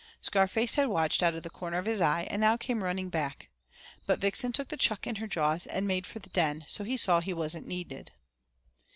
Scarface had watched out of the corner of his eye and now came running back. But Vixen took the chuck in her jaws and made for the den, so he saw he wasn't needed.